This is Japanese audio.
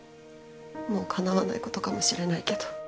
もうかなわないことかもしれないけど